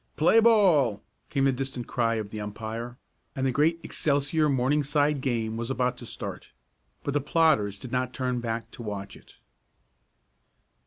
"Play ball!" came the distant cry of the umpire, and the great Excelsior Morningside game was about to start. But the plotters did not turn back to watch it.